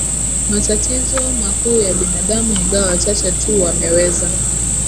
matatizo makuu ya binadamu ingawa wachache tu wameweza